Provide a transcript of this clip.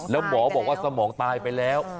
แล้วหมอบอกว่าสมองตายไปแล้ว